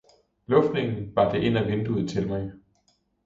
Luftningen bar det ind af vinduet til mig.